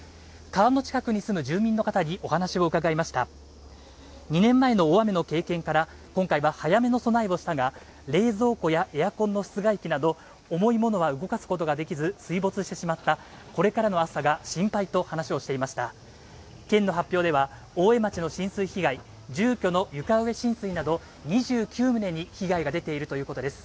川の近くに住む住民の方にお話を伺いました２年前の大雨の経験から今回は早めの備えをしたが冷蔵庫やエアコンの室外機など重いものは動かすことができず水没してしまったこれからの暑さが心配と話をしていました県の発表では大江町の浸水被害住居の床上浸水など２９棟に被害が出ているということです